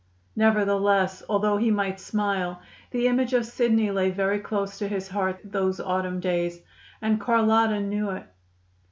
Nevertheless, although he might smile, the image of Sidney lay very close to his heart those autumn days. And Carlotta knew it.